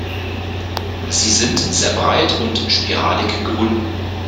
Sie sind sehr breit und spiralig gewunden.